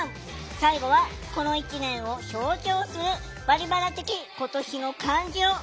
最後はこの１年を象徴する「バリバラ的・今年の漢字」を発表します。